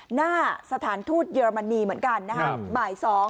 หน้าสถานทูตเยอรมนีเหมือนกันนะครับบ่าย๒